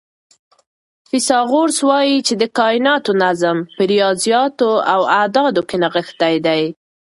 فیثاغورث وایي چې د کائناتو نظم په ریاضیاتو او اعدادو کې نغښتی دی.